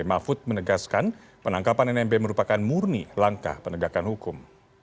mahfud menegaskan penangkapan nmb merupakan murni langkah penegakan hukum